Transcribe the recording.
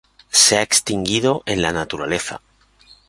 Se ha extinguido en la naturaleza.